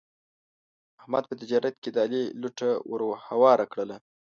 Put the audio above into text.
احمد په تجارت کې د علي لوټه ور هواره کړله.